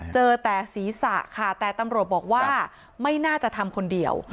เจอแต่ศีรษะค่ะแต่ตำรวจบอกว่าไม่น่าจะทำคนเดียว